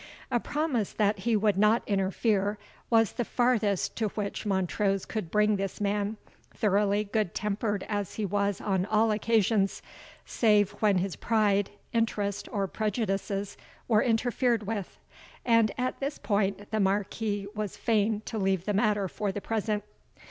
A promise that he would not interfere, was the farthest to which Montrose could bring this man, thoroughly good tempered as he was on all occasions, save when his pride, interest, or prejudices, were interfered with. And at this point the Marquis was fain to leave the matter for the present.